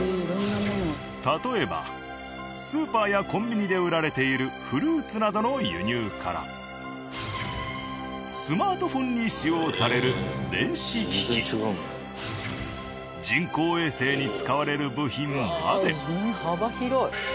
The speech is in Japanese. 例えばスーパーやコンビニで売られているスマートフォンに使用される電子機器人工衛星に使われる部品まで。